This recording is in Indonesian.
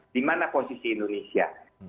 di mana posisi indonesia